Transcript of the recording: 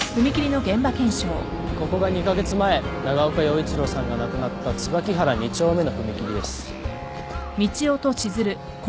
ここが２カ月前長岡洋一郎さんが亡くなった椿原２丁目の踏切です。